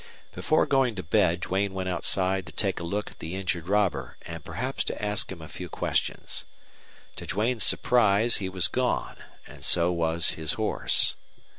Before going to bed Duane went outside to take a look at the injured robber and perhaps to ask him a few questions. To Duane's surprise, he was gone, and so was his horse.